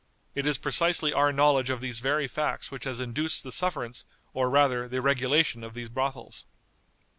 It is precisely our knowledge of these very facts which has induced the sufferance, or, rather, the regulation of these brothels."